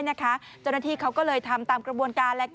เจ้าหน้าที่เขาก็เลยทำตามกระบวนการ